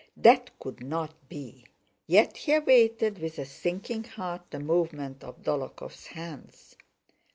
That could not be, yet he awaited with a sinking heart the movement of Dólokhov's hands.